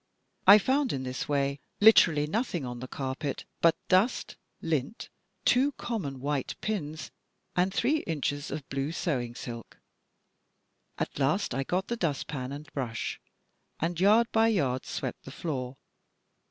I found in this way literally nothing on the carpet but dust, lint, two common white pins, and three inches of blue sewing silk. "At last I got the dustpan and brush, and yard by yard swept the floor.